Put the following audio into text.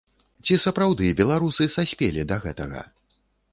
Ці сапраўды беларусы саспелі да гэтага?